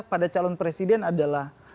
pada calon presiden adalah